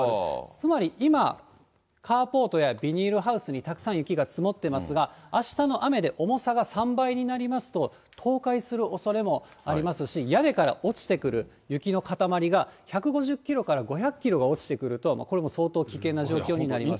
つまり今、カーポートやビニールハウスにたくさん雪が積もってますが、あしたの雨で重さが３倍になりますと、倒壊するおそれもありますし、屋根から落ちてくる雪の塊が１５０キロから５００キロが落ちてくると、これもう相当危険な状況になります。